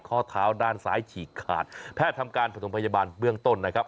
ข้อเท้าด้านซ้ายฉีกขาดแพทย์ทำการผสมพยาบาลเบื้องต้นนะครับ